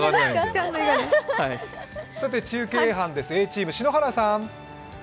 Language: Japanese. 中継班、Ａチーム、篠原さん。